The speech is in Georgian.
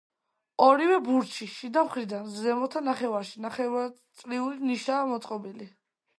ორივე ბურჯში, შიდა მხრიდან, ზემოთა ნახევარში, ნახევარწრიული ნიშაა მოწყობილი.